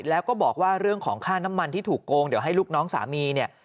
แล้วก็บอกว่าเรื่องของค่าน้ำมันที่ถูกโกงเดี๋ยวให้ลูกน้องสามีเนี่ย